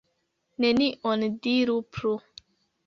Nenion diru plu.